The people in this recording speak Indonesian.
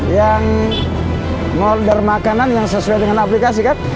yang ngorder makanan yang sesuai dengan aplikasi kan